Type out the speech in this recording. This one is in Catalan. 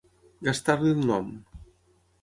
Gastar-li el nom.